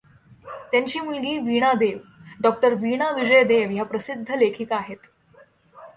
त्यांची मुलगी वीणा देव डॉ. वीणा विजय देव ह्या प्रसिद्ध लेखिका आहेत.